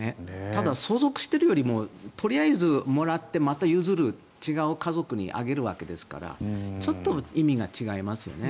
ただ、相続してるよりもとりあえずもらってまた譲る違う家族にあげるわけですからちょっと意味が違いますよね。